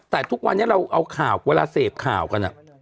แต่ทุกวันนี้เราเอาข่าวเวลาเสพข่าวกัน